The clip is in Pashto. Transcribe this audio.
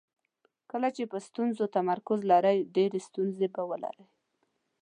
کله چې په ستونزو تمرکز لرئ ډېرې ستونزې به ولرئ.